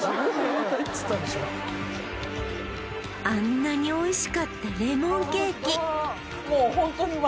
あんなにおいしかったレモンケーキ